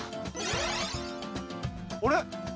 あれ？